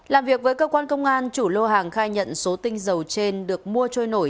làm việc với cơ quan công an chủ lô hàng khai nhận số tinh dầu trên được mua trôi nổi